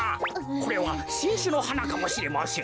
これはしんしゅのはなかもしれません。